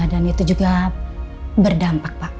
itu juga berdampak pak